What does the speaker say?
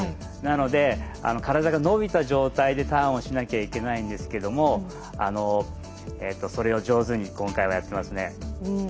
なので体が伸びた状態でターンをしなきゃいけないんですけどそれを上手に今回はやってますね。